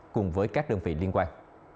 cùng với các đơn vị liên quan